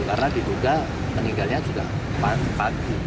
karena diduga meninggalnya juga pagi